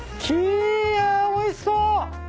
キャおいしそう。